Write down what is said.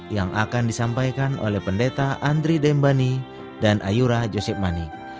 yang akan disampaikan oleh pendeta andri dembani dan ayura josep manik